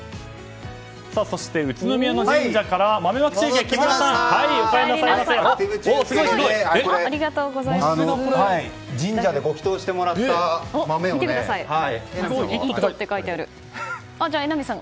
そして宇都宮の神社から豆まき中継をした木村さん。